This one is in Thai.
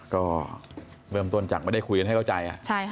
ก็เริ่มต้นจากไม่ได้คุยกันให้เข้าใจ